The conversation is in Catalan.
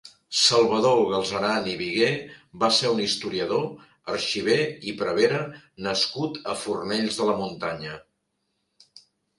Salvador Galceran i Vigué va ser un historiador, arxiver i prevere nascut a Fornells de la Muntanya.